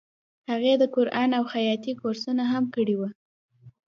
هغې د قرآن او خیاطۍ کورسونه هم کړي وو